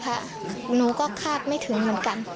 หนูก็คาดไม่ถึงเหมือนกัน